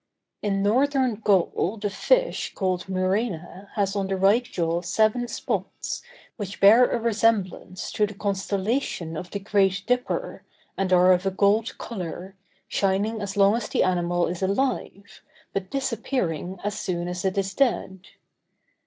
In Northern Gaul the fish called muræna has on the right jaw seven spots, which bear a resemblance to the constellation of the Great Dipper, and are of a gold color, shining as long as the animal is alive, but disappearing as soon as it is dead.